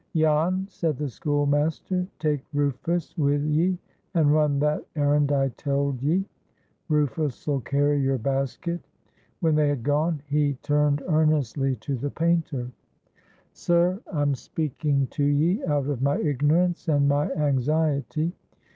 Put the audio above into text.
"Jan," said the schoolmaster, "take Rufus wi' ye, and run that errand I telled ye. Rufus'll carry your basket." When they had gone, he turned earnestly to the painter. "Sir, I'm speaking to ye out of my ignorance and my anxiety.